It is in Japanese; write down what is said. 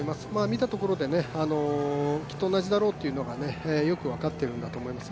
見たところで、きっと同じだろうというのがよく分かっているんだと思います。